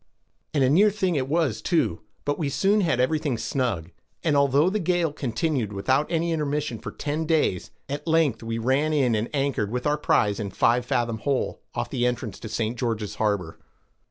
And a near thing it was too, but we soon had everything snug; and although the gale continued without any intermission for ten days, at length we ran in and anchored with our prize in Five Fathom Hole, off the entrance to St. George's Harbor.